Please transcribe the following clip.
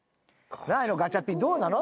ガチャピンどうなの？